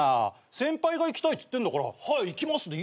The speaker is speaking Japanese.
先輩が行きたいっつってんだから「はい行きます」でいいだろ。